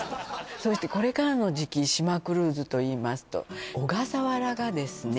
そしてこれからの時期島クルーズといいますと小笠原がですね